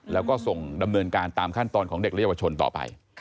แล้วก็ส่งดำเนินการตามขั้นตอนของเด็กและเยาวชนต่อไป